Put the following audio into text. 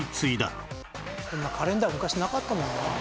こんなカレンダー昔なかったのにね。